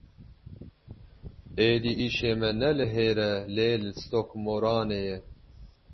Êdî îşê me ne li hire lê li Stokmoranê ye.